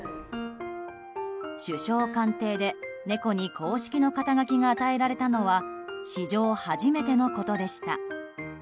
首相官邸で猫に公式の肩書が与えられたのは史上初めてのことでした。